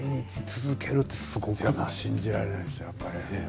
信じられないですね。